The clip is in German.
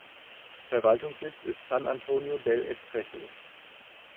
Verwaltungssitz ist San Antonio del Estrecho.